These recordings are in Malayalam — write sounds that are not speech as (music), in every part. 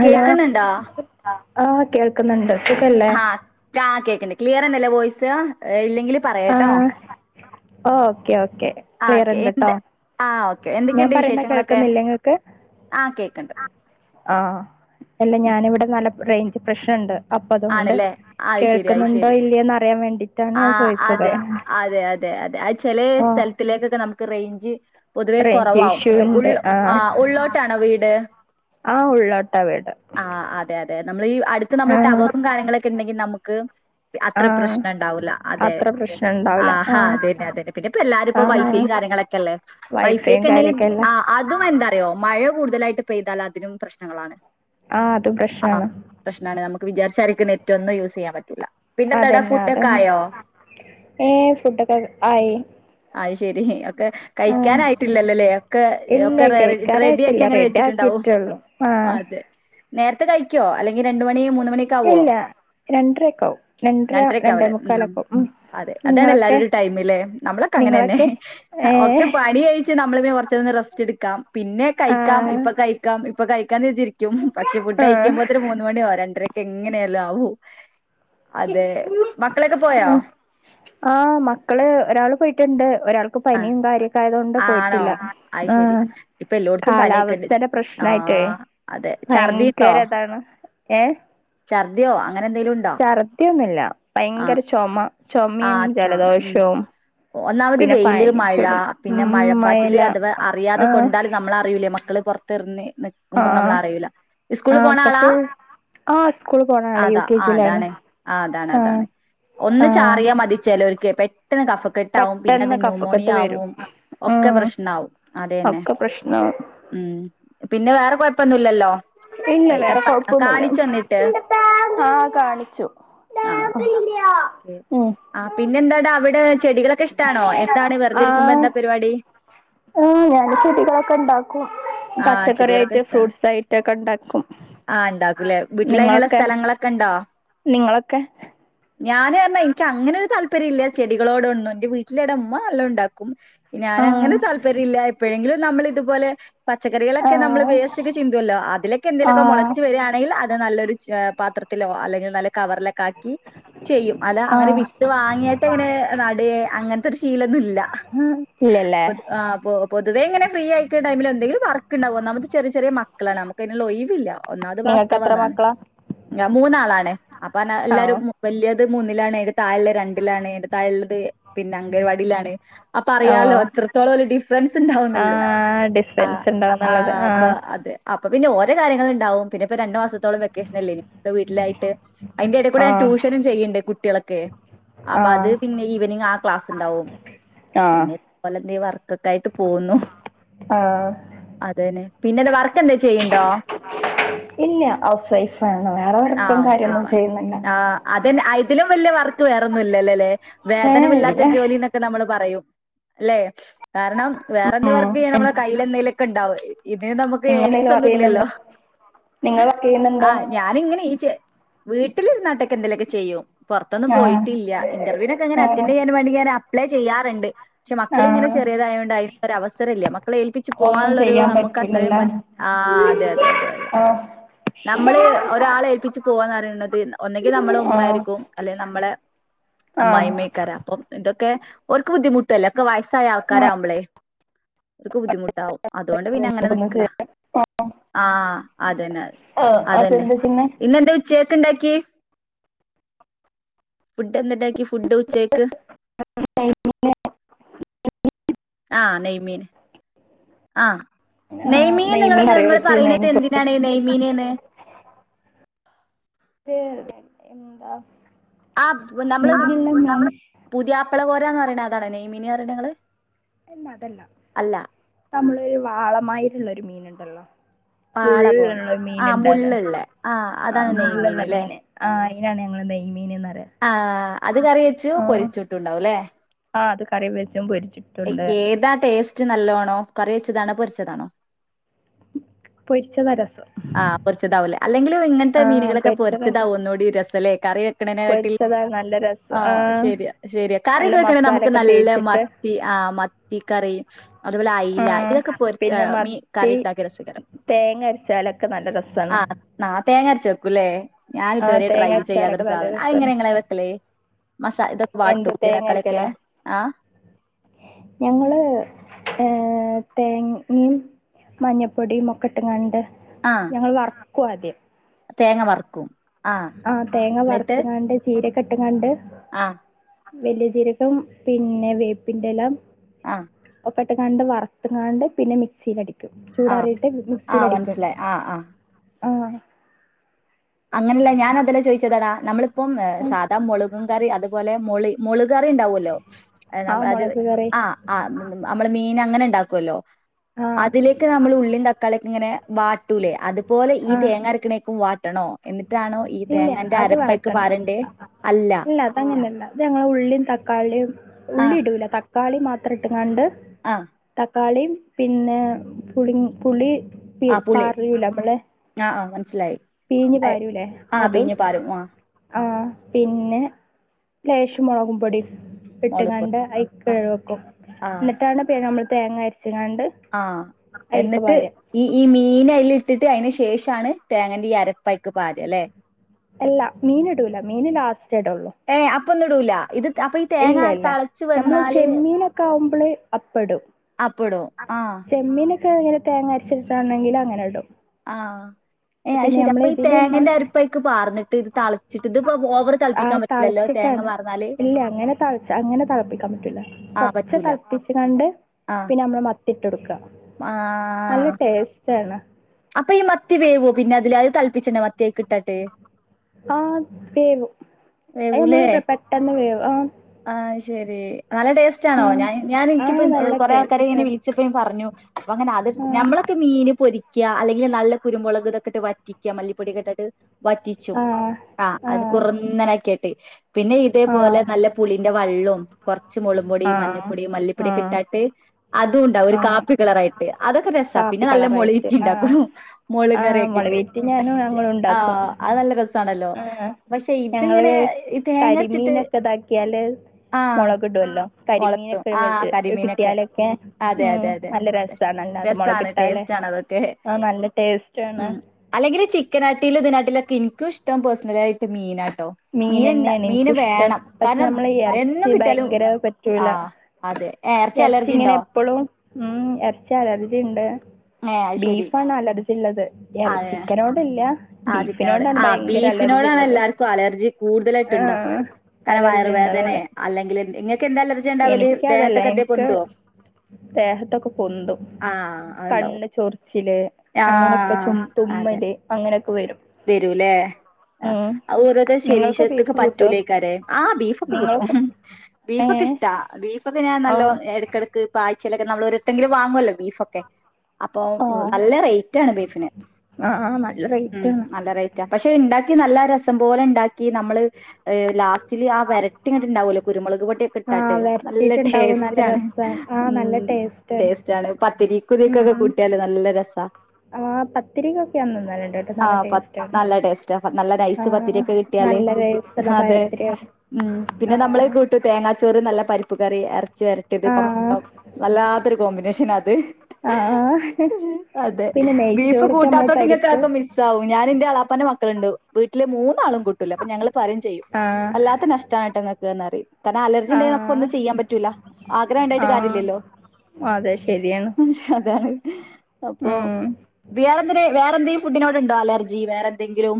ഹലോ ആഹ കേൾക്കുന്നുണ്ട് സുഖല്ലേ ആഹ ആ കേക്കണ്ടേ ക്ലിയർണ്ടല്ലോ വോയ്സ് ഇല്ലെങ്കിൽ ആ പറയാട്ടോ ഓക്കെ ഓക്കെ ആ ഓക്കെ ക്ലിയർണ്ട്ട്ടോ എന്ത് ആ ഓക്കെ. ഞാൻ പറയുന്ന കേൾക്കുന്നിലെ നിങ്ങൾക്ക് ആഹ കേക്കണ്ട് ആഹ അല്ല ഞാനിവിടെ നല്ല റേഞ്ച് പ്രശ്നമുണ്ട് അപ്പൊ അതുകൊണ്ട് ആണല്ലേ? അത് ശരി അത് കേൾക്കുന്നുണ്ടോ ശരി. ഇല്ലയന്ന് അറിയാൻ വേണ്ടിട്ടാണ് ആ ഞാൻ ചോദിച്ചത് അതെ അതെ അതെ അതെ ചില ആ സ്ഥലത്തിലേക്കൊക്കെ നമുക്ക് റേഞ്ച് പൊതുവേ റേഞ്ച് കുറവാവും ഇഷ്യൂ ഉൾ ഉണ്ട് ആ ഉള്ളോട്ടാണോ വീട് ആഹ ഉള്ളട്ട് ആ അതെ അതെ നമ്മൾ ഈ അടുത്ത് നമ്മള് ആ ടവറും കാര്യങ്ങളൊക്കെ ഉണ്ടെങ്കിൽ നമുക്ക് അത്ര ആഹ് പ്രശ്നം ഉണ്ടാവൂില്ല അതെ അത്ര പ്രശ്നം ഉണ്ടാവൂല ആഹാ ആഹ് അത തന്നെ അതെന്നെ പിന്നെ എല്ലാരും ഇപ്പോ ആഹ് വൈഫൈയും കാര്യങ്ങളൊക്കെ ല്ല വൈഫൈയും വെ കാര്യൊക്കെല്ല അതും എന്താറോ മഴ കൂടുലട്ട് പെയ്താൽ അതിനും പ്രശ്നങ്ങളാണ് ആഹ് അതും ആ പ്രശ്നാണ് പ്രശ്ന നമുക്ക് വിചാരിച്ച നെറ്റ് ഒന്നും യൂസ് ചെയ്യൻ പറ്റൂില്ല അതന്നെ അത ഏ ഫുഡൊക്കെ ആയി അത് ശരി ഒക്കെ ആഹ് കഴിക്കാനായിട്ടില്ലല്ലോല്ലേ ഒക്കെ ഇല്ല ഒക്കെ റെഡി ആക്കി അങ്ങനെ വെച്ചിട്ടുണ്ടാവും ആഹ അതെ നേരത്തെ കഴിക്കോ അല്ലെങ്കിൽ രണ്ട് മണി മൂന്ന് മണിയൊക്കെ ആാവുവോ രണ്ടരക്കും രണ്ടരരണ്ടേ ഉം മുക്കാലൊക്ക ഉ അതെ അതാണ് എല്ലാരും ഒരു ടൈമിലെ നമ്മളൊക്കെ അങ്ങനെ തന്നെ നിങ്ങളൊക്കെ ഒക്കെ പണി ഏഹ് അായി നമ്മളറ റസ്റ്റ് എടുക്കാം പിന്നെ കഴിക്കാം ഇപ്പ കഴാം ഇപ്പ കഴാന്ന് പക്ഷെ ഫുഡ് ആഹ് കഴിക്കുമ്പോത്ത മൂന്ന് മണിോ രണ്ടരക്കെ എങ്ങനെയെല്ലാം ആവും അതെ മക്കളൊക്കെ പോയോ ആ് മക്കള് ഒരാൾ പോയിട്ടുണ്ട് ഒരാൾക്ക് ആ പനിയും കാര്യക്ക ആണോ പോയിട്ടില്ല അത് ശരി ഇപ്പൊ എല്ലോടത്തും പനിയൊക്കെ ഉണ്ട് കാലാവസ്ഥ ആ പ്രശ്നായിട്ടേ അതെ ഛർദിണ്ടോ ഭയങ്കരതാണ് ഏ ഛർദിയോ അങ്ങനെ എന്തെലും ഉണ്ടോ ചർദ്യൊന്നുമില്ല ഭയങ്കര ചുമ ആഹ ചുമ ആ ഉം ഒന്നാമത് പിന്നെ വെയില് മഴ പനിച്ചിടും പിന്നെ ഉം മഴപ്പാറ്റില് മയല അഥവാ ആ അറിയാതെ കൊണ്ടാൽ നമ്മള അറിയിൂല്ലേ മക്കള് പുറത്തെറന്ന് ആ നിക്കുമ്പോ നമ്മള അറിയിൂല ആ സ്കൂളിൽ പോണാ ആളാ പക്ഷെ ആ സ്കൂള് പോണ ആളാ യു അതാ കെ ജിയിലാണ്. അതാണ് ആ അതാണ് അതാണ് ആ ഒന്ന് ചാറിയാ മതിച്ചല്ലോർക്ക് പെട്ടെന്ന് കഫക്കെട്ട ആാവും പിന്നെ അത് പെട്ടെന്ന് ന്യൂമോണിയ കഫക്കെട്ട് വരും. ആവും ഒക്കെ ഉം പ്രശ്‌നമാവും അതെ തന്നെ ഒക്കെ പ്രശ്നാവും. ഉം പിന്നെ വേറെ കൊഴപ്പൊന്നുമല്ലല്ലോ ഇല്ല വേറെ കൊഴപ്പൊന്നല്ല തന്നിട്ട് ആഹ കാണിച്ചു (inaudible) ആ ഓക്കെ ആ പിന്നെ എന്താടാ അവിടെ ചെടികളൊക്കെ ഇഷ്ടാണോ എന്താണ് വെറുതെരിക്കുമ്പോ എന്താ പരിപാടി ആ ഞാന് ചെടികളൊക്കെ ഉണ്ടാക്കും ആ പച്ചക്കറി ചെടികളൊക്കെ ആായിട്ട് ഇഷ്ടാണ് ഫ്രൂട്ട്സ് ആയിട്ട് റ്റൊക്കെ ഉണ്ടാക്കും ആഹ് ഇണ്ടാക്കൂലേ വീട്ടിലയിനുള്ള നിങ്ങളൊക്കെ സ്ഥലങ്ങളൊക്കെ നിങ്ങളൊക്കെ ഞാൻ പറഞ്ഞാ എനിക്ക് അങ്ങനെ ഒരു താല്പര്യമില്ല ചെടികളോട ഒന്നും എന്റെ വീട്ടിലേടെ ഉമ്മ നല്ലാം ഉണ്ടാക്കും ഞാാന ആഹ് അങ്ങനെ താല്പര്യം ഇല്ല എപ്പോഴെങ്കിലും നമ്മള ഇതുപോലെ പച്ചക്കറികളക്കെ നമ്മ ആഹ് വേസ്റ്റ് ഒക്കെ ചിന്തുല്ലോ അലൊക്കെ എന്തെലുമക്കെ ആഹ് മുളച്ച വരികയാണെങ്കിൽ അത് നല്ലൊരു പാത്രത്തിലോ അല്ലെങ്കിൽ നല്ല കവറിലൊക്കെ ആക്കി ചെയ്യും അല്ല അങ്ങനെ ആഹ് വിത്ത് വാങ്ങിട്ട് അങ്ങനെ നടയ അങ്ങനത്തെ ഒരു ശീലൊന്നുമല്ല ഇല്ലല്ലേ ആ പൊതുവെങ്ങനെ ഫ്രീ ആയിക്കുന്ന ടൈമിൽ എന്തെിലും വർക്ക് ഉണ്ടാകും ഒന്നാമത് ചെറിയ ചെറിയ മക്കളാണ് നമ്മ ല ഒഴവില്ല ഒന്നാമത് നിങ്ങൾക്ക് വാസ്തവ എത്ര എന്നാണ് മക്കളാ മൂന്നാളാണ് അപ്പ ആഹ് എല്ലരും വലിയത് മൂന്നിലാണ്ത് താഴ ഇല്ലത് രണ്ടിലാണ് അയിന്റെ താഴളത് പിന്നെ അംഗൻവാടിയിലാണ് അപ്പ അറിയാലോ എത്രത്തോളം ഡിഫ ആഹ ഡിഫറൻസ് ആ ഉണ്ടാന്നുള്ളത് അപ്പൊ ആഹ അത് അപ്പൊ പിന്നെ ഓരോ കാര്യങ്ങള ഉണ്ടും പിന്ന ഇപ്പ രണ്ടു മാസത്തോളം വെക്കേഷൻല്ലേനിയോ വീട്ടിലായിട്ട് അതിന്റെറെട കൂടെ ആഹ് ട്യൂഷനും ചെയ്യണ്ട് കുട്ടികളൊക്കെ അപ്പൊ അത് ആഹ് പിന്നെ ഈവനിങ് ആ ക്ലാസ് ഉണ്ടാവും ആഹ് പിന്നെ ഇപ്പൊ ഇല്ല ഈ വർക്ക്‌ ഒക്കെ ആയിട്ട് പോകുന്നു ആഹ് അതന്നെ പിന്നെ വർക്ക് എന്താ ചെയ്യണ്ടോ ഇല്ല ഹൗസ് വൈഫ് ആരുന്നു വേറെ വർക്കും കാര്യൊന്നും ചെയ്യുന്നില്ല അതെ അതിലും വലിയ വർക്ക് വേറൊന്നുമല്ലല്ലേ അല്ലേ ഏ വേതനമ ഇല്ല ഇല്ലാത്ത ജോലിന്നൊക്കെ നമ്മള് പറയും ല്ലെ കാരണം വേറെ എന്ത് ഉം. വർക്ക് ചെയ്താൽ നമ്മളെ കയ്യില എന്തേലൊക്കെ ഉണ്ടാവ ഇതിന് നമുക്ക് നിങ്ങൾ ഏണിങ്സ് എന്തെങ്കിലും വർക്ക് ഒന്നും ചെയ്യുന്നുണ്ടോ ഇല്ലല്ലോ നിങ്ങൾ വർക്ക് ചെയ്യുന്നുണ്ടോ ആഹ് ഞാനിങ്ങനെ ഈ ച വീട്ടിലിരു നാട്ടൊക്കെ എന്തേലുമൊക്കെ ചെയ്യോ പുറത്തൊന്നും ആ പോയിട്ടില്ല ഇന്റർവ്യൂനൊക്കെ അങ്ങനെ ഞാൻ അറ്റൻഡ ചെയ്യാൻ വേണ്ടി ഞൻ അപ്ലെ ചെയാറുണ്ട് പക്ഷെ ആ മക്കളിങ്ങനെ ചെറിയതായൊണ്ട് അതി ഒരു അവസരമല്ല മക്കളെ ഏൽപ്പിച്ച് ഒന്നും പോകാനുള്ളൊരു ചെയ്യാൻ നമുക്ക് അത്രയും പറ്റില്ലല്ലേ പ ആ അതെ അതെ അതെ അതെ ആ നമ്മള് ഒരാള ഏൽപ്പിച്ച് പോവാന്ന് അറിയ തിൻ ഒന്നെങ്കി ന്നമ്മളെ ആ ഉമ്മയ്രിക്കും അല്ലെങ്കി ന്നമ്മളെ ആ അമ്മായമ്മേക്കാര അപ്പം എന്തൊ ക്കെ ഓര്ക്ക് ബുദ്ധിമുട്ടല്ലേ ഒക്കെ വയസ്സായ ആ ആൾക്കാരാവുമ്പളേ ഓര്ക്ക് ബുദ്ധിമുട്ട് ണ്ടാവും അതുകൊണ്ട് പിന്നെ അങ്ങനെ നമുക്കൊന്നും നിക്കാ ചെയ്യാൻ ആ ആഹ അതന്നെ അതെ ആ, അതന്നെ അതെന്താ ചെയ്യുന്നെ? ഇന്നെന്തെ ഉച്ച ണ്ടാക്കി ഫുടെൻന്തണ്ടാ ക്കി ഫുഡ് ഉച്ചക്ക് നെയ്മ്- ആഹ ന്നെയ്മീൻ ആ ആ നെയ്മ് ന്നെയ്മീൻന്ന്ള്ളത് അറിയാം നിങ്ങള് ചേച്ചി പറയണത് നെയ്മ് ഇപ്പൊ- എന്തിനാണ് നെയ്മീന് ന്ന് ശ എന്താ ആ ത്തു ന്നമ്മ്ള് നെയ്യുള്ള മീൻ പുതിയാപ്പള കോരാന്നറയണ അതാണോന്നെയ്മീന് പറയണ് നിങ്ങള് അല്ല അതല്ല അല്ല ന്നമ്മ്ള് വാളമായിരുള്ളോരു മീനുണ്ടല്ലോ പാള പോലെ മുള്ള്ള്ള മീൻ ആഹ് ഇണ്ടല്ലോ മുള്ള്ള്ളെ ആഹ് ആ അതാണ് നെയ്മീന് മുള്ളുള്ള ല്ലേ മീന് ആ അയ്നാണ് ഞങ്ങള് ന്നെയ്മീന് ന്ന ആ അത് കറി വെച്ചു പൊരിച്ചുട്ടുണ്ടാവുല്ലേ ആഹ അത് കറി വേച്ചും പോരി എക്ക് ഏതാ ട്ടേസ്റ്റ് ന്നല്ലോണോം കറി വെച്ചതാണോ പൊരിച്ചതാണോ പൊരിച്ചതാ രസം ആഹ് പൊരിച്ചതാവും ല്ലേ അല്ലെങ്കിലും ഇങ്ങൻത്തെ ആ മീനുകളൊക്കെ പൊരിച്ചതാ പൊരിച്ചതാവും ഒന്നൂടി രസം ലെ കറി വെക്കണെനെ കാട്ടിൽ പൊരിച്ചതാ നല്ല രസം ആ ആഹ ശരിയാ ശരിയാ നല്ല കറിഒക്കെ വെക്കണേ മസാല ന്നമുക്ക് ഒക്കെ നല്ല തേച്ചിട്ട് മത്തി ആഹ മത്തി കറി അതുപോലെ ആ അയ്ല ഇതൊക്കെ പൊരിച്ച പിന്നെ മീ മത്തി കറി ഇണ്ടാക്യ രസെക്കാരം തേങ്ങ അരച്ചാലൊക്കെ നല്ല രസമാണ് ആഹ് ന്നാ തേങ്ങ അരച്ച് വെക്കൂല്ലേ ആ ഞാനിതുവരെ ട്രൈ തേങ്ങ ചെയ്യാത്തൊരു അരച്ചാലൊക്കെ നല്ല സാധനം അയ് രസമാണ് ഇങ്ങനെങ്ങള് വെക്കല്? മസാ ഇതൊക്കെ വാട്ടും എന്ത് തേങ്ങ ഉള്ളിതക്കാളിഒക്കെ അരക്കലോ ആഹ ഞങ്ങള് ഏഹ തേങ്ങയും മഞ്ഞപ്പൊടിയും ഒക്കെ ഇട്ട് ങ്ങാണ്ട് ആഹ് ഞങ്ങള് വർക്കും ആദ്യം. തേങ്ങ വർക്കും ആഹ തേങ്ങ വറുത്തുങ്ങാണ്ട് ചീരൊക്കെ ഇട്ടുങ്ങാണ്ട് ആഹ് വലിയജിരഗം പിന്നെ വേപ്പിന്റെല ആഹ ഒക്കിട്ട്ങ്ങാണ്ട് വർത്ത്ങ്ങാണ്ട് പിന്നെ മിക്സിലടിക്കും ആഹ് ചൂടാറിയിട്ട് ആഹ് മിക്സിലടിക്കും മനസ്സിലായി ആഹ് ആഹ് ആഹ അങ്ങനെല്ല ഞാനതല്ല ചോയ്ച്ചതടാ നമ്മളിപ്പം ആഹ് സാധാ മുളകും കറി അതുപോലെ മേള് മോള് കറിണ്ടാവോല്ലോ ആ നമ്മളത് മുളക് കറി ആ ആ നമ്മള് മീന് അങ്ങനെ ഇണ്ടാക്കൊല്ലോ? ആഹ് അതിലേക്ക് ന്നമ്മള് ഉള്ളി തക്കാളിയൊക്കെ ഇങ്ങനെ വാട്ടൂലേ അതുപോലെ ഈ ആഹ് തേങ്ങ അരക്കണേക്കും വാട്ടണോ? എന്നിട്ടാണോ ഈ ഇല്ല തേങ്ങന്റെ അത് അരപ്പയ്ക്ക് വാട്ടണ്ട പാരണ്ടേ അല്ല ഇല്ല അതങ്ങനെലല്ല ഇത് ഞങ്ങളെ ഉള്ളിമ് തക്ക ക്കളീം ഉള്ളി ഇടൂല തക്കാളി മാത്രം ഇട്ടുംങ്ങാണ്ട് ആ തക്കാളീം പിന്നെ പുളിങ്ങ് പുളി പി ആഹ് പുളി പാർലിയൂല ഇബടെ ആഹ് ആഹ് മനസ്സിലായി പീഞ് പാരുലെ ആഹ് അതും പിഴിഞ്ഞ് പാരും ആഹ് ആഹ പിന്നെ ലേശംമുളകും പൊടീം മോളിപ്പോ ഇട്ട്ങ്ങാണ്ട് ഐക്കെ ആഹ് ഴോക്കും എന്ന്ട്ടാണ് പി നമ്മള് തേങ്ങ അര്ച്ച്ങ്ങാണ്ട് ആഹ എന്നിട്ട് ഇ ഈ മീനയ്ലിട്ട് ട്ട് അയ്ന് ശേഷാണ് തേങ്ങന്റെ ഈ അരപ്പയ്ക്ക് പാരല്ലേ അല്ല മീനിടൂല മീന് ലാസ്റ്റേ ഇടൊള്ളു. ഏഹ് അപ്പൊ ഒന്നും ഇടൂല ഇത് അപ്പൊ ഈ ഇല്ല തേങ്ങ ല്ല തളച്ച് നമ്മള് വന്നാല് ചെമ്മീനൊക്കാവുമ്പള് അപ്പടും അപ്പടും ആഹ ക്ക്‌ അങ്ങനെ തേങ്ങരച്ചെടുത്താണെങ്കില് അങ്ങനെ ഇടും ആഹ ഏഹ് പിന്നെ ശരി നമ്മൾ അപ്പൊ ഈ ഇതിൽ തേങ്ങന്റെ അരിപ്പായിക്ക് പാർന്നിട്ട് ഇത് തിളച്ചിട്ട്ഇത് ഇപ്പൊ ഓവർ ആ തളിപ്പിക്കാൻ പറ്റില്ലല്ലോ? തേങ്ങ തളച്ചിട്ടാണ് പാർന്നാല് ഇല്ല അങ്ങനെ തിളപ്പിക്കാൻ പറ്റൂല ആഹ് കൊറച്ച് പറ്റൂല തിളപ്പിച്ചു കണ്ട് പിന്നെ നമ്മള് മത്തിഇട്ട്കൊടുക്ക. ആഹ ചന അപ്പൊ ഈ മത്തി വേവോ പിന്നെ അതില് അത് തൽപ്പിച്ചെന്നെ മത്തിയക്ക കിട്ട്. ആഹ് വേവും അ വേവൂലേ നമ്മൾ പെട്ടെന്ന് വേവും ആ ആഹ് ശരി നല്ല ടേസ്റ്റ് ആണോ ഉം. ഞാൻ ഞാൻ ആ എനിക്കിപ്പം നല്ല കൊറെേ ആൾക്കാരെ ടേസ്റ്റ് ഇങ്ങനെ ആണ് വിളിച്ചപ്പോും പറഞ്ഞു അപ്പ അങ്ങനെ അത് ആ നമ്മള മീൻ പൊരിക്കുക അല്ലെങ്കിൽ നല്ല കുരുമുളക് ഇതൊക്കെട്ട് വറ്റിക്കുക മല്ലിപ്പൊടൊക്കെട്ടായിട്ട് വറ്റിച്ചും ആ അത് കുറന്നനക്കിട്ട്. പിന്നെ ഇതേപോലെ നല്ല പുളീന്റെ വെള്ളവും കുറച്ച് ആ ആ മുളുംപൊടിയും മഞ്ഞപ്പൊടിയും ആ മല്ലിപ്പൊടിയൊക്കെ ഇട്ടാട്ട് അതും ഉണ്ടാവും ഒരു ആ കാപ്പി കളറായിട്ട് അതൊക്കെ രസമാണ് പിന്നെ കാപ്പി നല്ല മുളി കളറായിട്ട് ആ ഇണ്ടാക്കും ആ മുള വീറ്റ് ഞാനും (unintelligible) ഞങ്ങളും ആ ഉണ്ടാക്കും നല്ല രാസനല്ലോ ആഹ് പക്ഷെ ഞങ്ങള് ഇതിങ്ങനെ തേങ്ങരച്ചിട്ട് കരിമീനൊക്കെ ഇതാക്കിയാല് ആഹ് മൊളക് ഇടുല്ലോ, മുളകും കരിമീനൊക്കെ ആ കരിമീനൊക്കെ കിട്ടിയാലൊക്കെ അതെ ഉം അതെ നല്ല രസണാല്ല അത് മുളക്കിട്ടൽ നതൊക്കെ അല്ലെങ്കി ചിക്ക ഇതിനാട്ടിലൊക്കെ എനിക്ക് ഇഷ്ടം പേഴ്സണലായിട്ട് മീനാ (unintelligible) മീന്ണ്ട് മീനന്നെയാണ് മീന് എനിക്കിഷ്ടം വേണം പക്ഷെ കാരണം നമ്മള് എന്നും എറച്ചി കിട്യാലും ആ അതെ. യെർച്ചി ഉണ്ടോ ങ്ങനെപ്പോഴും ഉം എർച്ചി അലർജിണ്ട്. ഏ അത് ശരി ബീഫാണ്അലർജിള്ളത് എർ അതെ ചിക്കനോടില്ല. ആ ചിക്കനോട് ബീഫിനോടാണ് ആ ഭയങ്കര അലർജിള്ളത് ബീഫിനോടാണെല്ലാർക്കും അല അലർജി കൂടുതലായിട്ട്ഉണ്ടാക. ആഹ് കാരണം വയറ് അലർജി വേദനേ ഇണ്ടാവല് അല്ലെങ്കില് ങ്ങക്കെന്തലർജ്യാ ഉണ്ടാവല്? ദെ അല്ല എനിക്ക് ദേഹത്തൊക്കെ പൊന്തും, ആ അതുണ്ടാവും കണ്ണ് ചൊർ യും ല്ലേ ആ അങ്ങനൊക്കെ ചു തുമ്മല് അങ്ങനെ വരൂല്ലേ ആ ഒരു ദേഷ് നിങ്ങൾക്ക് ശരീശത്ത്ക്ക് ബീഫ് കിട്ടോ പറ്റൂലേക്കാരേ ആ ബീഫ് കൂട്ടും നിങ്ങൾക്ക് ഉം ഏ ബീഫൊക്കെഷ്ടാ ബീഫ് പ്പൊക്കെ ഞാൻ ആ നല്ലോ എടക്കെടക്ക് ആയ്ച്ചെലൊക്കെ നമ്മൾ ഒരുത്തെങ്കിലും വാങ്ങൊല്ലെ ബീഫൊക്കെ. അപ്പൊ ആ നല്ല റേറ്റാണ് ബീഫിന് ആ ആ നല്ല ഉം റേറ്റാണ് പഷെ ണ്ടാക്കി നല്ല രസം പോലെ ണ്ടാക്കി കി നമ്മള് ലാസ്റ്റില് ആ വരട്ടി ങ്ങട്ട്ണ്ടാവല്ലോ കുരുമുളക് പൊടിയൊക്കെ ആ ഇട്ടാട്ട് നല്ല വരട്ടിയിട്ടുണ്ടാവും ടേസ്റ്റ് നല്ല സ്റ്റാണ് രസാണ് ആ നല്ല ഉം ടേസ്റ്റാണ് പത്തിരിക് ഉം തിക്കൊക്കെ ഉം ക്കൂട്ടിയാല് നല്ല രസാ. ആ പത്തിരികൊക്കെ ആ തിന്നല്ണ്ട്. ആ പ നല്ല ടേസ്റ്റാ നല്ല ആ നൈസ് പത്തിരിക്കെ കിട്ടിയാല് നല്ല ടേസ്റ്റുള്ള അതെ പഴത്തിരിയാണ് ഉം ഉം ആ പിന്നെ നമ്മളെ കൂട്ടും തേങ്ങാച്ചോറ് നല്ല പരിപ്പ് കറിം എർ ഇറച്ചി വരറ്റൃത് ആ പ പ്പ ടംവല്ലാത്തൊരു കോമ്പിനേഷ നാത്. ആ ആ. അതെ പിന്നെ ബീഫ് നെയ്ച്ചോർക്ക് നമ്മള് കൂട്ടാത്തോ ണ്ട് പരിപ്പ് ങ്ങക്കക്കെ മിസ്സ് ഞാനെന്റെളാപ്പാന്റെ മക്കളുണ്ട്, വീട്ടില് മൂന്നാളും കൂട്ടൂല പ്പൊ ഞങ്ങള് പറയും ചെയ്യും ആ വല്ലാത്ത നഷ്ടാണ് ട്ടൊ ങ്ങക്ക് ന്നറിം. അലർജിണ്ടെങ്കി ആഹ് നമുക്കൊന്നും ചെയ്യാൻ പറ്റൂല. ആഗ്രഹണ്ടായിട്ട് ആഹ് കാര്യല്ലല്ലോ? അതെ ശരിയാണ്. അതാണ് അപ്പൊ ഉം വേറെന്ത്‌ന് വേറെന്തെലും ഫുഡിനോട് ണ്ടോ അലർജി വേറെ എന്തെങ്കിലും?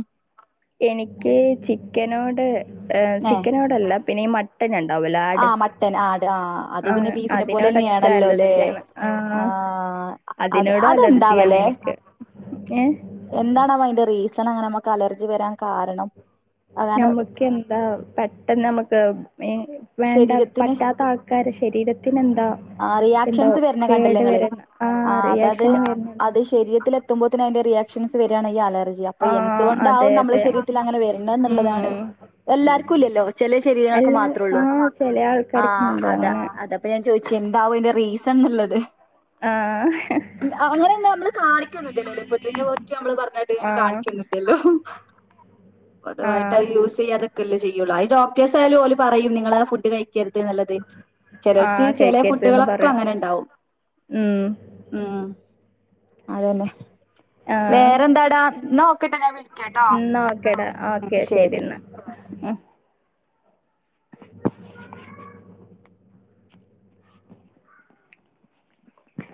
എനിക്ക് ചിക്കനോട് ചിക്കനോടല്ല പിന്നെ യീ ആ മട്ടൻ ആട് ആ അത് പിന്നെ ആഹ് ബീഫിനെ അതിനോടൊക്കെ പോലെന്നേണല്ലോ ല്ലേ, അലർജിയാണ് ആ ആഹ് ആ അത് അതിനോടും അലർജിയാണ് അതെന്താവല്ലെ? എനിക്ക് ഏഹ് എന്താണാവോ അതിൻ്റെ റീ അങ്ങനെ നമുലർജിക്കലർജി വരാൻ കാരണം. അങ്ങനെ നമ്മക്കെന്താ പെട്ടെന്ന് മ്മക്ക് ഏ വേണ്ട ശരീരത്തിന് പറ്റാത്താൾക്കാര ശരീരത്തിനെന്താ ആ റിയാക്ഷൻസ് വര്ന് കണ്ട്ല്ലേ ങ്ങള് ആ ആഹ് അതാത് റിയാക്ഷൻ വരുന്ന അത് ശരീരത്തിൽ എത്തുമ്പോത്തിനതിന്റെ റിയാ ക്ഷൻസ് വെരാണെങ്കി അലർജി അപ്പൊ ആഹ് യെന്തുകൊണ്ടാവും അതെ നമ്മളെ അതെ ശരീരത്തിലങ്ങനെ വര്ന്ന് ന്ന്ള്ളതാണ് ഉം - എല്ലാർക്കുല്ലല്ലോ? ചെലേ ശരീരങ്ങൾക്ക് എല്ലാ മാത്രേ ആ ള്ളൂ. ചെല ആ ആൾക്കാർക്കുണ്ട് അത അങ്ങനെ അതെപ്പ ഞാൻ ചോയ്ച്ച്. പെ ന്താവും അയിന്റെ റീസൺ ന്ന്ള്ളത്. ആ ഉ ആ ങ്ങള് ന്നെ മ്മള് കാണിക്കൊന്നുല്ലല്ലോ ത് പ്പ തിനുറിച്ച് നമ്മള് ആ പറഞ്ഞത് കാണിക്കൊന്നുല്ലല്ലോ? ആ പൊതുവായിട്ടവര് യൂസീ യ്യാതൊക്കെല്ലേ ചെയ്യൊള്ളൂ അത് ഡോക്ടേഴ്സായാലും ഓല് പറയും നി ഫുഡ് കഴിക്കരുത് ന്ന്ള്ളത് ആ ചെലർക്ക് ചെലേ കഴിക്കരുതെന്ന് ഫുഡോളൊക്കെ പറയും ങ്ങനെ ണ്ടാവും. ഉം അതെന്നെ. വേറെന്താടാ? നോ ന്നാ ഓക്കേടാ ഉം ഓക്കെ ശരി ശരിന്നാ.